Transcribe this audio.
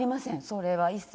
それは一切。